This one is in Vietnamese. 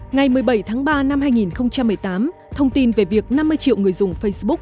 ngày một mươi bảy tháng ba năm hai nghìn một mươi tám thông tin về việc năm mươi triệu người dùng facebook